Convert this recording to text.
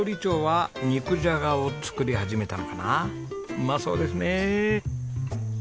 うまそうですねえ。